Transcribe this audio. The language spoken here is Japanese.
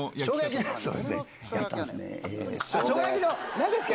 何ですか？